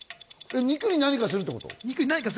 肉に何かするってこと？